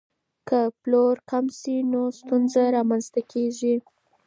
که پلور کم شي نو ستونزه رامنځته کیږي.